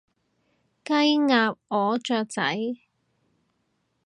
雞，鴨，鵝，雀仔